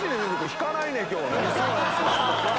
引かないね今日はね。